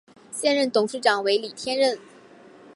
现任董事长为李天任。